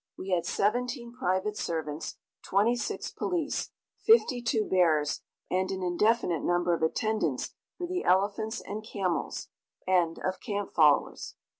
We had seventeen private servants, twenty six police, fifty two bearers, and an indefinite number of attendants for the elephants and camels, and of camp followers.